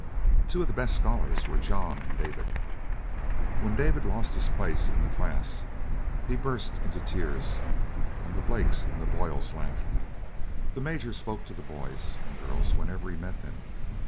Two of the best scholars were John and David. When David lost his place in the class he burst into tears, and the Blakes and the Boyles laughed. The Major spoke to the boys and girls whenever he met them.